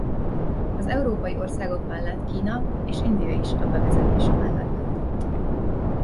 Az európai országok mellett Kína és India is a bevezetése mellett döntött.